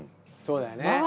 そうだよね。